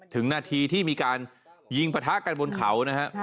ถึงนาทีที่มีการยิงปะทะกันบนเขานะฮะ